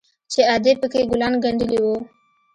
چې ادې پکښې ګلان گنډلي وو.